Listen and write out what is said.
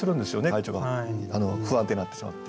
体調が不安定になってしまって。